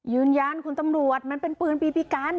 ยืนยันคุณตำรวจมันเป็นปืนปีกัน